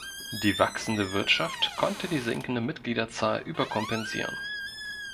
Die wachsende Wirtschaft konnte die sinkende Mitgliederzahl überkompensieren.